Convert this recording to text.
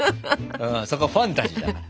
そこはファンタジーだから。